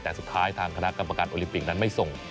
แต่สุดท้ายทางคณะกรรมการโอลิมปิกนั้นไม่ส่ง